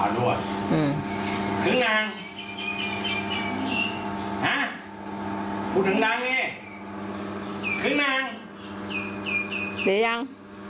เดี๋ยวยัง